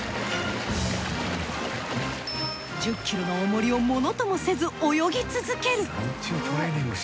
１０ｋｇの重りをものともせず泳ぎ続ける。